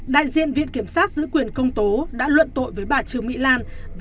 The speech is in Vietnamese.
đại diện viện kiểm sát giữ quyền công tố đã luận tội với bà trương mỹ lan